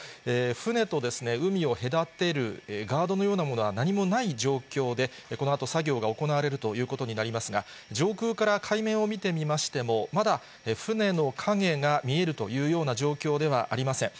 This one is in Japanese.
船とですね、海を隔てるガードのようなものは、何もない状況で、このあと、作業が行われるということになりますが、上空から海面を見てみましても、まだ船の影が見えるというような状況ではありません。